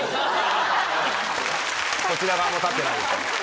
こちら側も立ってないですね。